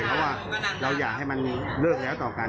เพราะว่าเราอยากให้มันเลิกแล้วต่อกัน